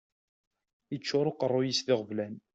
Iččuṛ uqeṛṛuy-is d iɣeblan.